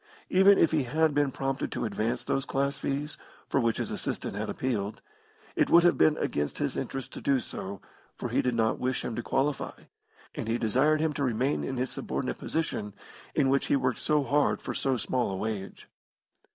Even if he had been prompted to advance those class fees, for which his assistant had appealed, it would have been against his interests to do so, for he did not wish him to qualify, and he desired him to remain in his subordinate position, in which he worked so hard for so small a wage.